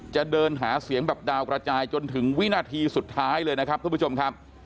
จะเดินหาเสียงแบบดาวกระจายจนถึงวินาทีสุดท้ายเลยนะครับทุกผู้ชมครับ